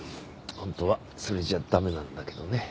本当はそれじゃ駄目なんだけどね。